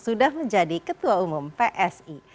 sudah menjadi ketua umum psi